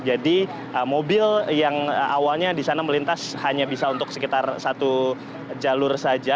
jadi mobil yang awalnya di sana melintas hanya bisa untuk sekitar satu jalur saja